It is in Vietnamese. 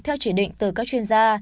theo chỉ định từ các chuyên gia